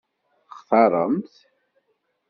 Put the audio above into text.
Textaṛem-t?